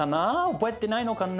覚えてないのかな？